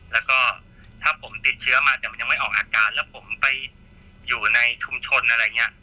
แล้วก็ถ้าผมติดเชื้อมาแต่มันยังไม่ออกอาการแล้วผมไปอยู่ในชุมชนอะไรอย่างนี้